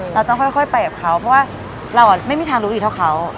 เราต้องค่อยไปกับเขาเพราะว่าเราไม่มีทางรู้อีกเท่าเขา